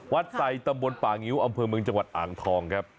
ใส่ตำบลป่างิ้วอำเภอเมืองจังหวัดอ่างทองครับ